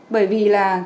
bởi vì là